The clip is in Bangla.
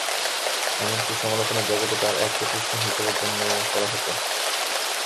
এমনকি সমালোচনার জগতে তার এক প্রতিষ্ঠান হিসাবে গণ্য করা হত।